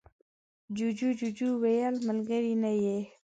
جوجو وویل ملگری نه یې.